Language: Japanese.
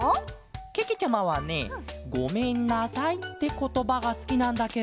けけちゃまはね「ごめんなさい」ってことばがすきなんだケロ。